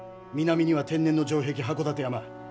南には天然の城壁箱館山。